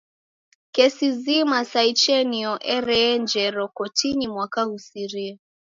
Kesi zima sa ichenio ereenjeroghe kotinyi mwaka ghusirie.